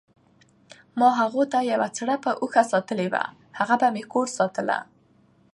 ما هغو ته یوه څربه اوښه ساتلې وه، هغه به مې کور ساتله،